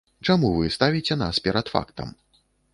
Чаму вы ставіце нас перад фактам?